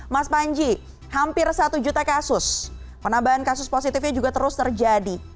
mas panji hampir satu juta kasus penambahan kasus positifnya juga terus terjadi